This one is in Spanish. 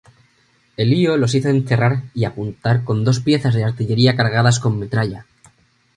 Elío los hizo encerrar y apuntar con dos piezas de artillería cargadas con metralla.